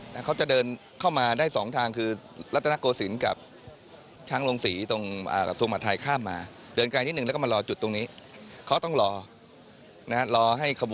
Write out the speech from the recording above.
มีครับตอนนี้ผมสั่งแล้วครับ